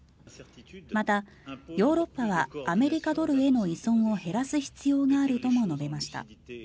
また、ヨーロッパはアメリカドルへの依存を減らす必要があるとも述べました。